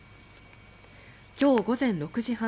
今日午前６時半